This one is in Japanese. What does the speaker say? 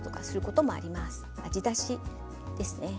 味出しですね。